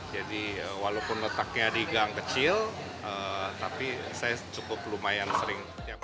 jadi walaupun letaknya digang kecil tapi saya cukup lumayan sering